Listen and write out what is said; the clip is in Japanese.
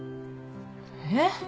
えっ？